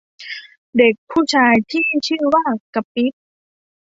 เด็กผู้ชายที่ชื่อว่า กั๊ปปี้